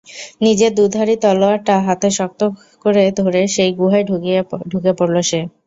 নিজের দুধারি তলোয়ারটা হাতে শক্ত করে ধরে সেই গুহায় ঢুকে পড়ল সে।